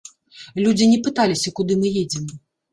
Людзі не пыталіся, куды мы едзем.